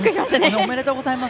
おめでとうございます。